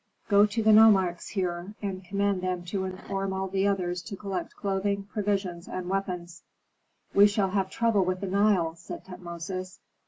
Go to the nomarchs here, and command them to inform all the others to collect clothing, provisions, and weapons." "We shall have trouble with the Nile," said Tutmosis.